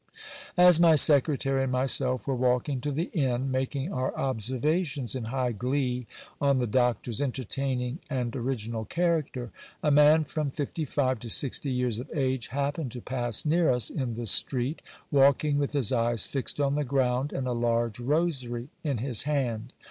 As my secretary and myself were walking to the inn, making our observations in high glee on the doctor's entertaining and original character, a man from fifty five to sixty years of age happened to pass near us in the street, walking with his eyes fixed on the ground, and a large rosary in his hand.